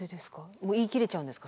もう言い切れちゃうんですか？